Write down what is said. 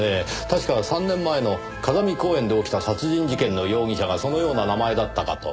確か３年前の風見公園で起きた殺人事件の容疑者がそのような名前だったかと。